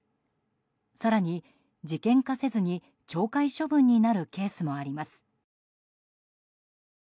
更に事件化せずに、懲戒処分になるケースもあります。